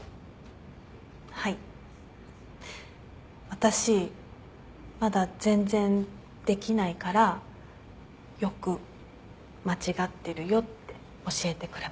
私まだ全然できないからよく「間違ってるよ」って教えてくれます。